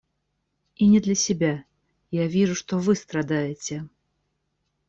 И не для себя, — я вижу, что вы страдаете.